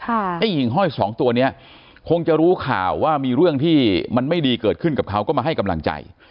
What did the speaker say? ไอ้หญิงห้อยสองตัวเนี้ยคงจะรู้ข่าวว่ามีเรื่องที่มันไม่ดีเกิดขึ้นกับเขาก็มาให้กำลังใจ